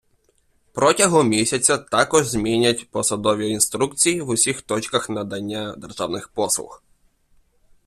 Протягом місяця також змінять посадові інструкції в усіх точках надання державних послуг.